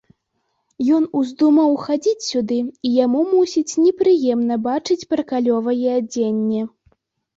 Ён уздумаў хадзіць сюды, і яму, мусіць, непрыемна бачыць паркалёвае адзенне.